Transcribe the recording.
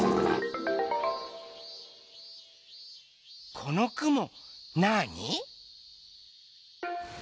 このくもなあに？